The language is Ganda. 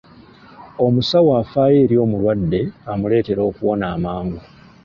Omusawo afaayo eri omulwadde amuleetera okuwona amangu.